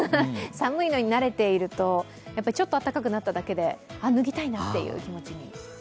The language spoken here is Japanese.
寒いのになれていると、ちょっと暖かくなっただけであ、脱ぎたいなという気持ちに。